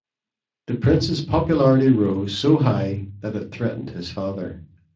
The prince's popularity rose so high that it threatened his father.